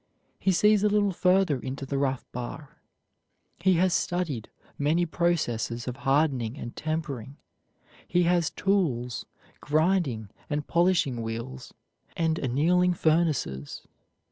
He sees a little further into the rough bar. He has studied many processes of hardening and tempering; he has tools, grinding and polishing wheels, and annealing furnaces.